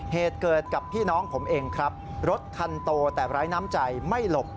เหตุเกิดกับพี่น้องผมเองครับรถคันโตแต่ไร้น้ำใจไม่หลบ